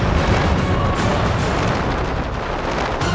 aku akan kerja di sandu